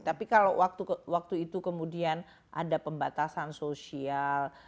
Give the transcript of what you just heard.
tapi kalau waktu itu kemudian ada pembatasan sosial